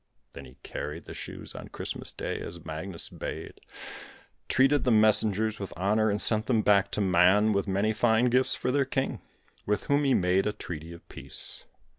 Then he carried the shoes on Christmas Day as Magnus bade, treated the messengers with honour and sent them back to Mann with many fine gifts for their king, with whom he made a treaty of peace.